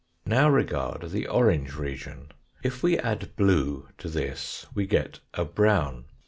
Now regard the orange region ; if we add blue to this we get a brown.